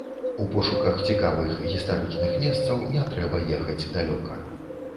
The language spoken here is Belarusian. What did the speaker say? У пошуках цікавых гістарычных месцаў не трэба ехаць далёка.